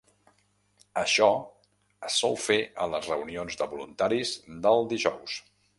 Això es sol fer a les reunions de voluntaris del dijous.